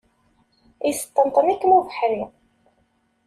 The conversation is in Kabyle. Yesṭenṭen-ikem ubeḥri.